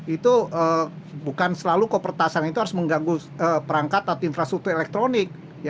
itu bukan selalu kok peretasan itu harus mengganggu perangkat atau infrastruktur elektronik